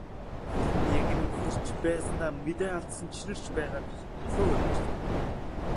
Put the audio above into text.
Хөл нь янгинан хөрч байснаа мэдээ алдан чинэрч байгаад халуу оргиж эхлэв.